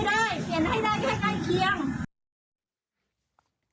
เปลี่ยนให้ได้ให้ใกล้เคียง